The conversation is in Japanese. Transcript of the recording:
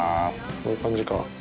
こういう感じか。